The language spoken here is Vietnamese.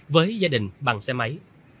với gia đình bằng xe máy